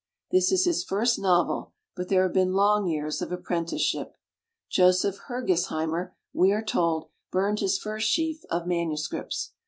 This is his first novel ; but there have been long years of apprenticeship. Joseph Herges heimer, we are told, burned his first sheef of manuscripts.